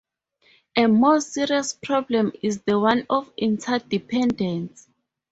A more serious problem is the one of interdependence.